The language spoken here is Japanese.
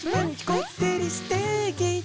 こってりステーキ！」